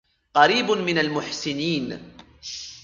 قَرِيبٌ مِنْ الْمُحْسِنِينَ